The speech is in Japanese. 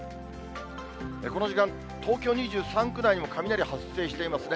この時間、東京２３区内にも雷発生していますね。